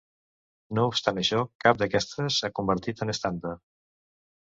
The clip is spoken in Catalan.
No obstant això, cap d'aquestes s'ha convertit en estàndard.